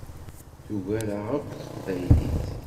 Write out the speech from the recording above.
Tugar-aɣ akk Teqbaylit!